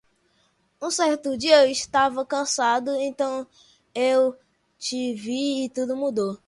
Um certo dia eu estava cansado, então eu te vi e tudo mudou